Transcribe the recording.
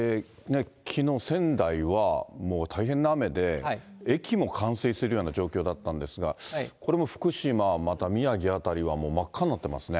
きのう、仙台はもう大変な雨で、駅も冠水するような状況だったんですが、これも福島、また宮城辺りは真っ赤になってますね。